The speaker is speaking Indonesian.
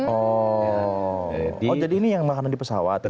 oh jadi ini yang makanan di pesawat ya